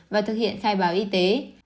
và thực hiện khai báo y tế